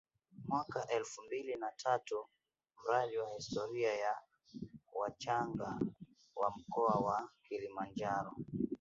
mwaka elfu mbili na tatu Mradi wa Historia ya Wachaga wa Mkoa wa Kilimanjaro